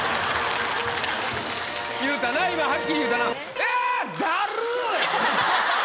言うたな今はっきり言うたな。